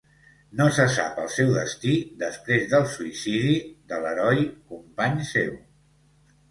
No se sap el seu destí després del suïcidi de l'heroi company seu.